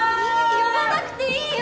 呼ばなくていいよ。